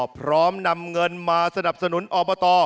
พร้อมนำเงินมาสนับสนุนอบต